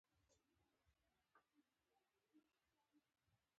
غوږونه د باد غږ احساسوي